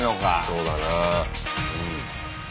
そうだな。